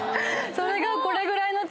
それがこれぐらいの。